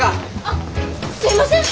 あっすいません！